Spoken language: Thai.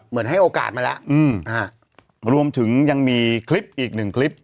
ให้โอกาสมาแล้วรวมถึงยังมีคลิปอีกหนึ่งคลิป